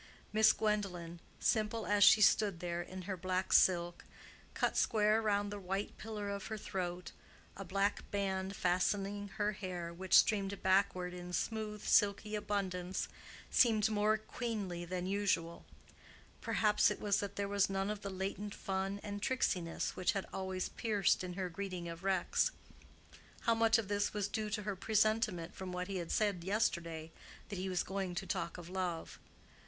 Miss Gwendolen, simple as she stood there, in her black silk, cut square about the round white pillar of her throat, a black band fastening her hair which streamed backward in smooth silky abundance, seemed more queenly than usual. Perhaps it was that there was none of the latent fun and tricksiness which had always pierced in her greeting of Rex. How much of this was due to her presentiment from what he had said yesterday that he was going to talk of love?